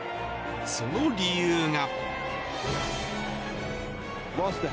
その理由が。